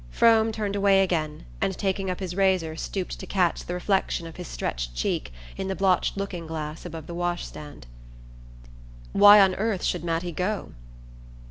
Frome turned away again, and taking up his razor stooped to catch the reflection of his stretched cheek in the blotched looking glass above the wash stand. "Why on earth should Mattie go?"